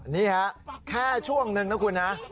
นี่แหละแค่ช่วงหนึ่งนะคุณ